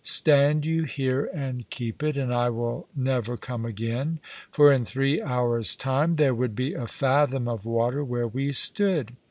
Stand you here and keep it, and I will never come again;" for in three hours' time there would be a fathom of water where we stood.